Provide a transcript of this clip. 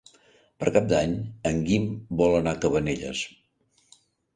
Per Cap d'Any en Guim vol anar a Cabanelles.